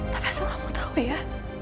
tak pasti kamu tau ya